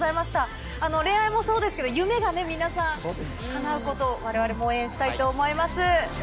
恋愛もそうですけど夢が皆さん叶うことを我々も応援したいと思います。